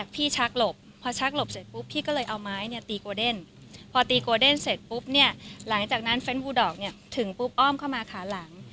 พอตีกวอเดนเสร็จปุ๊บเนี่ยหลังจากนั้นเฟ้นพูดอกเนี่ยถึงปุ๊บอ้อมเข้ามาขาหลัง